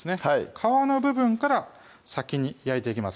皮の部分から先に焼いていきます